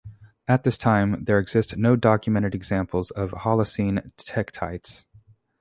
At this time, there exist no documented examples of Holocene tektites.